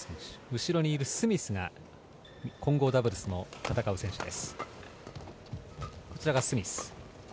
後ろにいるスミスが混合ダブルスを戦う選手です。